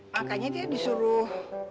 makanya dia disuruh